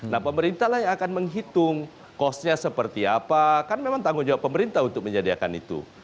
nah pemerintah lah yang akan menghitung kosnya seperti apa kan memang tanggung jawab pemerintah untuk menyediakan itu